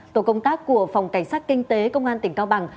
tổ công tác của phòng cảnh sát kinh tế công an tỉnh cao bằng